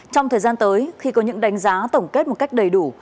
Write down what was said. trong thời gian tới khi có những đánh giá tổng kết một cách đầy đủ